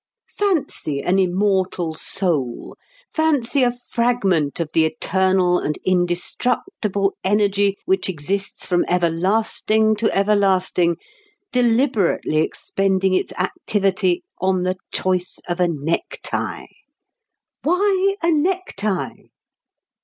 Fancy an immortal soul, fancy a fragment of the eternal and indestructible energy, which exists from everlasting to everlasting, deliberately expending its activity on the choice of a necktie! Why a necktie?